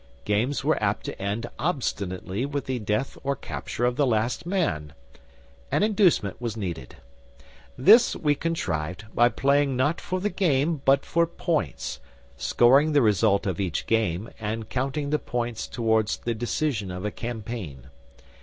Games were apt to end obstinately with the death or capture of the last man. An inducement was needed. This we contrived by playing not for the game but for points, scoring the result of each game and counting the points towards the decision of a campaign.